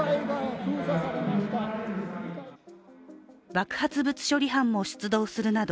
爆発物処理班も出動するなど